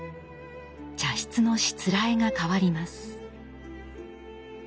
茶室のしつらえが変わります。